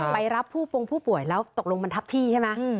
ไปรับผู้ปงผู้ป่วยแล้วตกลงมันทับที่ใช่ไหม